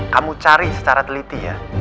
kamu cari secara teliti ya